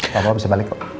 bapak bisa balik kok